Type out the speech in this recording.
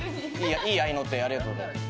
いい合いの手ありがとうございます。